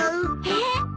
えっ？